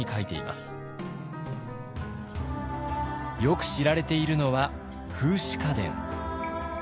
よく知られているのは「風姿花伝」。